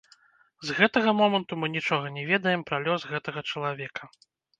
З гэтага моманту мы нічога не ведаем пра лёс гэтага чалавека.